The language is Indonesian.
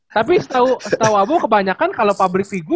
tapi setau abu kebanyakan kalau pabrik fibu